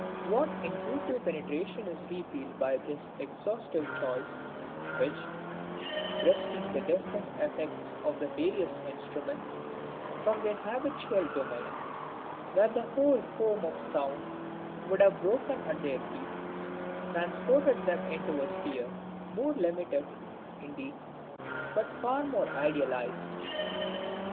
What intuitive penetration is repealed by this exclusive choice, which, wresting the different effects of the various instruments from their habitual domain, where the whole foam of sound would have broken at their feet, transported them into a sphere, more limited, indeed, but far more idealized!